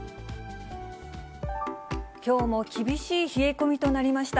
きょうも厳しい冷え込みとなりました。